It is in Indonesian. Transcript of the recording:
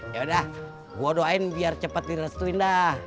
yaudah gue doain biar cepet di restuin dah